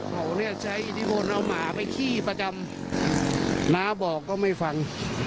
เขาเนี้ยใช้อิทธิพนธ์เอาหมาไปจ้ำบอกก็ไม่ฟัง